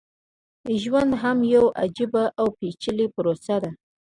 ژوند هم يوه عجيبه او پېچلې پروسه ده.